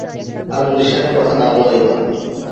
আর প্রতিষ্ঠানের কথা না বলাই ভাল।